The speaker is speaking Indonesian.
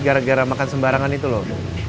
gara gara makan sembarangan itu loh